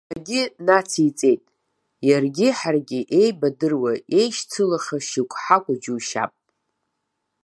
Ҳәагьы нациҵеит, иаргьы ҳаргьы еибадыруа, еишьцылахьоу шьоукы ҳакәу џьушьап.